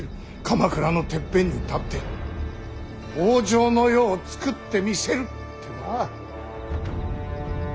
鎌倉のてっぺんに立って北条の世をつくってみせるってな。